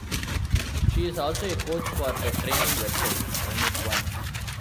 She is also a coach for the training website, Run It Once.